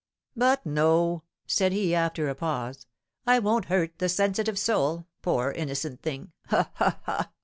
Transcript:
"But no," said he, after a pause, "I won't hurt the 'sensitive soul,' poor innocent thing! Ha! ha! ha!